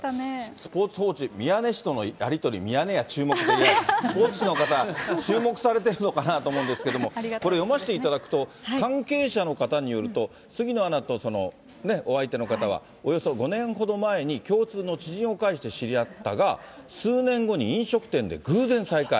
スポーツ報知、宮根氏とのやり取り、ミヤネ屋注目って、いや、スポーツ紙の方、注目されてるのかなと思うんですけども、これ、読ませていただくと、関係者の方によると、杉野アナとお相手の方はおよそ５年ほど前に共通の知人を介して知り合ったが、数年後に飲食店で偶然再会。